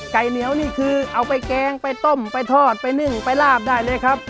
เหนียวนี่คือเอาไปแกงไปต้มไปทอดไปนึ่งไปลาบได้เลยครับ